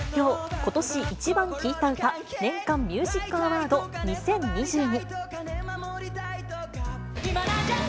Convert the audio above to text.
今年イチバン聴いた歌年間ミュージックアワード２０２２。